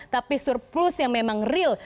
tapi surplus yang memang real